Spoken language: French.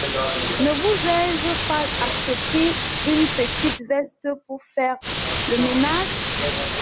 Ne vous ai-je pas acheté une petite veste pour faire le ménage ?